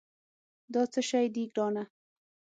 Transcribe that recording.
دا څه شي دي، ګرانه؟